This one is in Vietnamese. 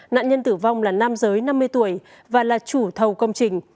nạn nhân tử vong là nam giới năm mươi tuổi và là chủ thầu công trình